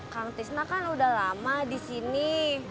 kang tisna kan udah lama disini